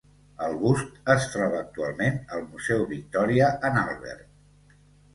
El bust es troba actualment al museu Victoria and Albert.